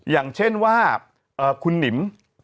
อย่างเช่นว่าคุณหนิม